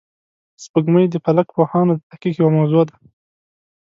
سپوږمۍ د فلک پوهانو د تحقیق یوه موضوع ده